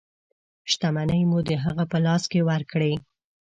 شتمنۍ مو د هغه په لاس کې ورکړې.